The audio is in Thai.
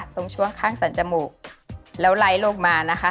ตรงช่วงข้างสรรจมูกแล้วไล่ลงมานะคะ